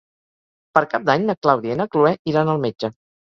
Per Cap d'Any na Clàudia i na Cloè iran al metge.